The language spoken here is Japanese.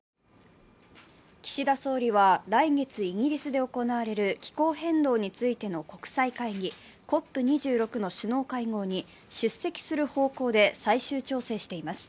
岸田総理は来月イギリスで行われる気候変動についての国際会議、ＣＯＰ２６の首脳会合に出席する方向で最終調整しています。